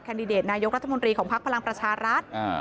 ดิเดตนายกรัฐมนตรีของพักพลังประชารัฐ